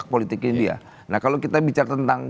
politiknya dia nah kalau kita bicara tentang